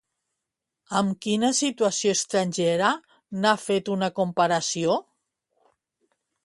Amb quina situació estrangera n'ha fet una comparació?